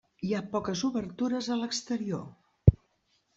Hi ha poques obertures a l'exterior.